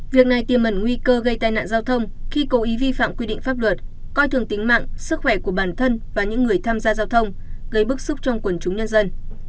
việc này tiêm ẩn nguy cơ gây tai nạn giao thông khi cố ý vi phạm quy định pháp luật coi thường tính mạng sức khỏe của bản thân và những người tham gia giao thông gây bức xúc trong quần chúng nhân dân